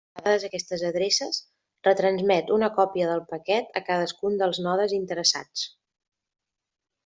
Una vegada determinades aquestes adreces, retransmet una còpia del paquet a cadascun dels nodes interessats.